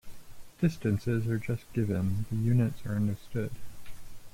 Distances are just given, the units are understood.